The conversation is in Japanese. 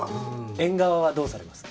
縁側はどうされます？